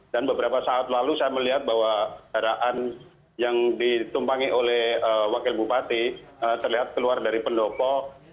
dan beberapa saat lalu saya melihat bahwa haraan yang ditumpangi oleh wakil bupati terlihat keluar dari pendopo